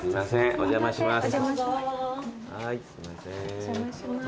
お邪魔します。